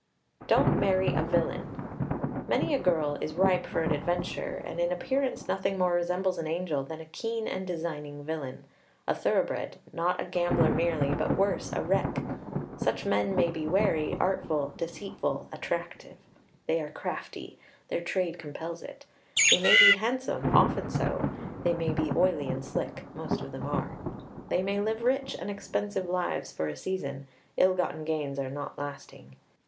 Don't marry a villain. Many a girl is ripe for an adventure, and in appearance nothing more resembles an angel than a keen and designing villain a thoroughbred; not a gambler merely, but worse, a wreck! Such men may be wary, artful, deceitful, attractive. They are crafty; their trade compels it. They may be handsome, often so; they may be oily and slick most of them are. They may live rich and expensive lives for a season; ill gotten gains are not lasting.